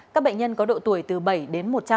các bệnh nhân có độ tuổi từ bảy đến một trăm linh